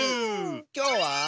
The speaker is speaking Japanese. きょうは。